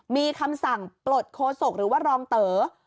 มีคำสั่งปลดโคศกหรือว่ารองเต๋อ